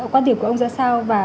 quan điểm của ông ra sao và